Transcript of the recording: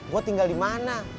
gue tinggal di mana